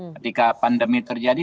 ketika pandemi terjadi